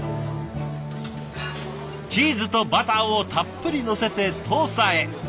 チーズとバターをたっぷりのせてトースターへ。